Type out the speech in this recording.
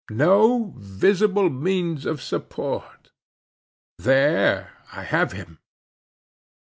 No visible means of support: there I have him.